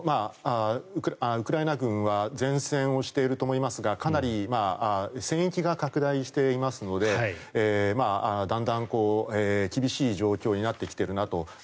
ウクライナ軍は善戦をしていると思いますがかなり戦域が拡大していますのでだんだん厳しい状況になってきているなと。